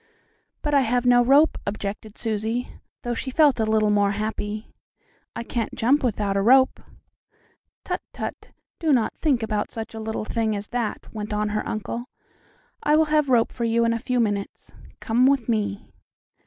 "But I have no rope," objected Susie, though she felt a little more happy. "I can't jump without a rope." "Tut! tut! Do not think about such a little thing as that," went on her uncle. "I will have a rope for you in a few minutes. Come with me."